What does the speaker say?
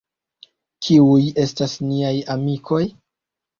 Kiuj estas niaj amikoj?